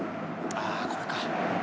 あこれか。